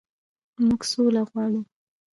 موږ سوله غواړو